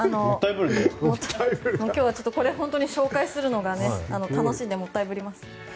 今日はこれを紹介するのが楽しいのでもったいぶります。